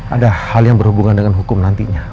ada hal yang berhubungan dengan hukum nantinya